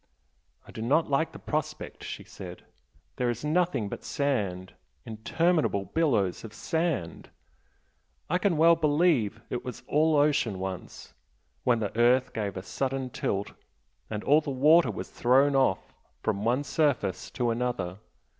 "I do not like the prospect" she said "There is nothing but sand interminable billows of sand! I can well believe it was all ocean once, when the earth gave a sudden tilt, and all the water was thrown off from one surface to another.